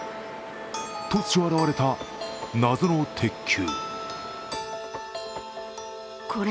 突如現れた謎の鉄球。